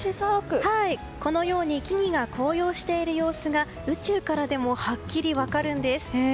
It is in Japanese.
このように木々が紅葉している様子が宇宙からでもはっきり分かるんです。